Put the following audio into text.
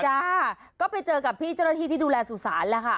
จ้าก็ไปเจอกับพี่เจ้าหน้าที่ที่ดูแลสุสานแล้วค่ะ